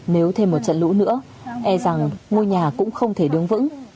nếu thêm một trận lũ nữa e rằng ngôi nhà cũng không thể đứng vững